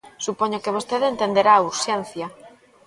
Supoño que vostede entenderá a urxencia.